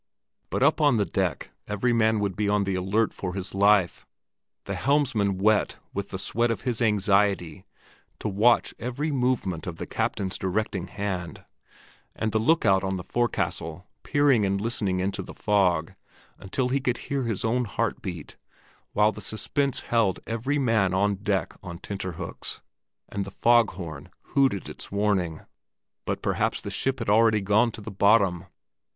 But up on deck every man would be on the alert for his life; the helmsman wet with the sweat of his anxiety to watch every movement of the captain's directing hand, and the look out on the forecastle peering and listening into the fog until he could hear his own heart beat, while the suspense held every man on deck on tenterhooks, and the fog horn hooted its warning. But perhaps the ship had already gone to the bottom!